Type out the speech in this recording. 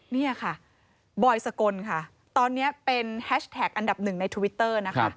นี่ค่ะบอยสกลค่ะตอนนี้เป็นแฮชแท็กอันดับหนึ่งในทวิตเตอร์นะคะ